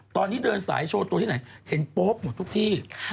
ตอนนี้เดินสายโชว์ตัวที่ไหนเห็นโป๊ปหมดทุกที่